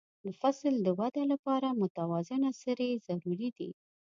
د فصل د وده لپاره متوازنه سرې ضروري دي.